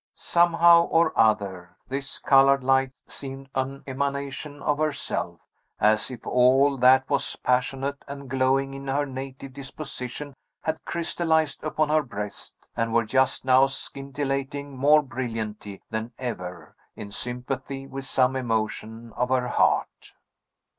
Somehow or other, this colored light seemed an emanation of herself, as if all that was passionate and glowing in her native disposition had crystallized upon her breast, and were just now scintillating more brilliantly than ever, in sympathy with some emotion of her heart.